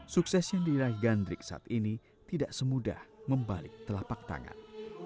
sukses yang diraih gandrik saat ini tidak semudah membalik telapak tangan